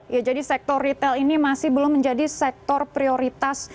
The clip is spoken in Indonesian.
ya jadi sektor retail ini masih belum menjadi sektor prioritas